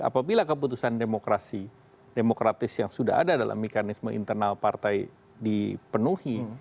apabila keputusan demokrasi demokratis yang sudah ada dalam mekanisme internal partai dipenuhi